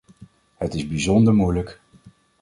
Het is bijzonder moeilijk.